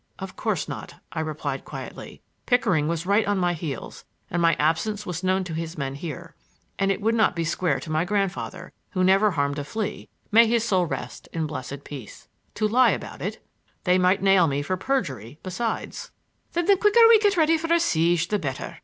"Of course not!" I replied quietly. "Pickering was right on my heels, and my absence was known to his men here. And it would not be square to my grandfather, —who never harmed a flea, may his soul rest in blessed peace!—to lie about it. They might nail me for perjury besides." "Then the quicker we get ready for a siege the better.